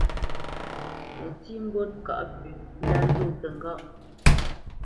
Nətsí mbót ŋkâʼ pʉ̌ ndá nzó təŋgáʼ.